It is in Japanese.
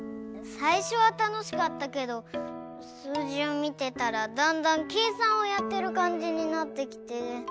さいしょはたのしかったけどすうじをみてたらだんだんけいさんをやってるかんじになってきて。